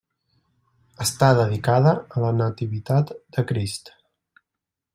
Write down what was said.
Està dedicada a la Nativitat de Crist.